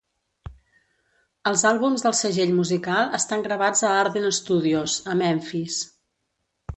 Els àlbums del segell musical estan gravats a Ardent Studios, a Memphis.